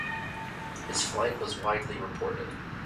His flight was widely reported.